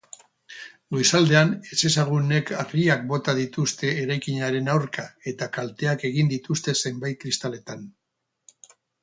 Goizaldean ezezagunek harriak bota dituzte eraikinaren aurka eta kalteak egin dituzte zenbait kristaletan.